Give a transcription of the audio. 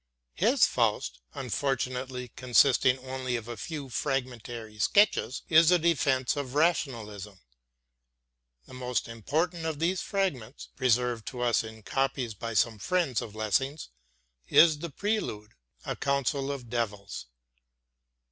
His Faust, unfortunately consisting only of a few fragmentary sketches, is a defense of Rationalism. The most important of these fragments, preserved to us in copies by some friends of Lessing's, is the prelude, a council of devils.